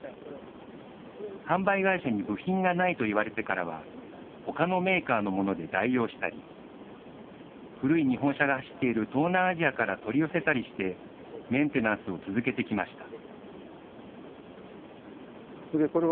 販売会社に部品がないと言われてからは、ほかのメーカーのもので代用したり、古い日本車が走っている東南アジアから取り寄せたりして、メンテナンスを続けてきました。